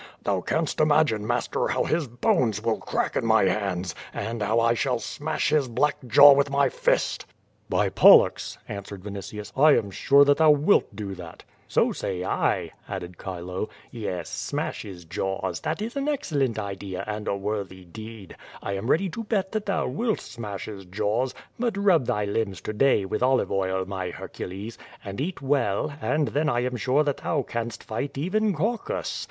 Thou canst imagine, master, Iiow his bones will crack in my hands, and how I shall smash his black jaw with my fisf IC2 QUO VADIS. "By Pollux!*^ answered Vinitius, "I am sure that thou wilt do that/' "So say I," added Chilo/' "Yes, smash his jaws; that is an excellent idea and a worthy deed. I am ready to bet that thou wilt smash his jaws, but rub thy limbs to day with olive oil, my Hercules, and eat well and then I am sure that thou canst fight even Caucus.